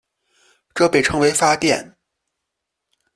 这被称为发电。